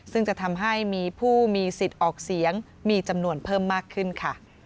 ซึ่งจะทำให้มีผู้มีสิทธิ์ออกเสียงมีจำนวนเพิ่มมากขึ้นค่ะ